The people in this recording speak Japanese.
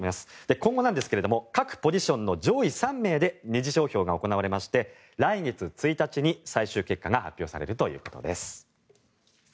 今後なんですが各ポジションの上位３名で２次投票が行われて来月１日に最終結果が発表されるということです。